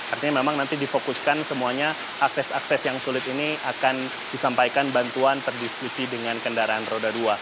artinya memang nanti difokuskan semuanya akses akses yang sulit ini akan disampaikan bantuan terdiskusi dengan kendaraan roda dua